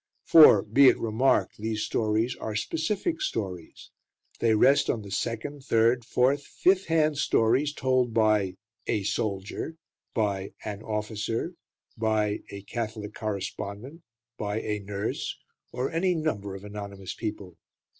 For, be it remarked, these stories are specific stories. They rest on the second, third, fourth, fifth hand stories told by "a soldier," by "an officer," by "a Catholic correspondent," by "a nurse," by any number of anonymous people.